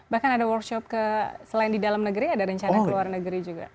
bahkan ada workshop selain di dalam negeri ada rencana ke luar negeri juga